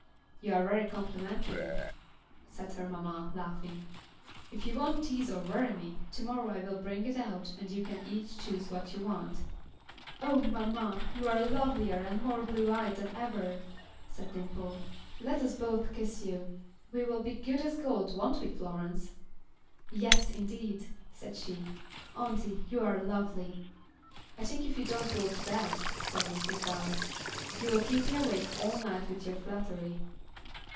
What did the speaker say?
"You are very complimentary," said her mamma, laughing. "If you won't tease or worry me, to morrow I will bring it out and you can each choose what you want." "Oh! mamma, you are lovelier and more blue eyed than ever," said Dimple, "let us both kiss you. We will be good as gold, won't we, Florence?" "Yes, indeed," said she. "Auntie, you are lovely." "I think if you don't go to bed," said Mrs. Dallas, "you will keep me awake all night with your flattery."